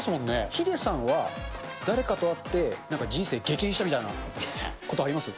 ヒデさんは、誰かと会って、人生激変したみたいなことあります？